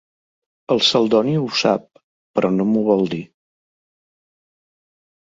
El Celdoni ho sap, però no m'ho vol dir.